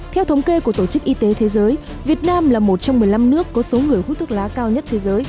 theo thống kê của tổ chức y tế thế giới việt nam là một trong một mươi năm nước có số người hút thuốc lá cao nhất thế giới